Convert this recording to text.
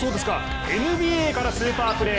ＮＢＡからスーパープレー。